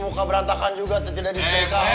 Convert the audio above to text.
muka berantakan juga ternyata di sekitar kamu